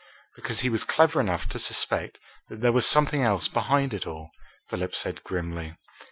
"Because he was clever enough to suspect that there was something else behind it all," Philip said grimly.